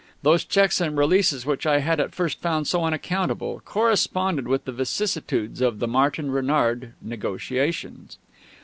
Those checks and releases which I had at first found so unaccountable corresponded with the vicissitudes of the Martin Renard negotiations.